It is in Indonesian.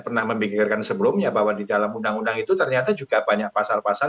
pernah memikirkan sebelumnya bahwa di dalam undang undang itu ternyata juga banyak pasal pasal